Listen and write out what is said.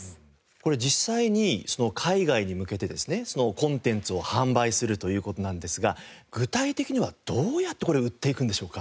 これ実際に海外に向けてですねコンテンツを販売するという事なんですが具体的にはどうやってこれ売っていくんでしょうか？